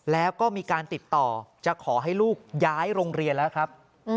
แล้วก็มีการติดต่อจะขอให้ลูกย้ายโรงเรียนแล้วครับ